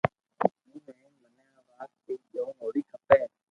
ھون ھين مني آوات ري جوڻ ھووي کمي